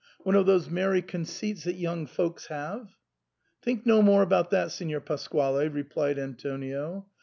— one of those merry conceits that young folks have "*• Think no more about that, Signor Pasquale," re plied Antonio.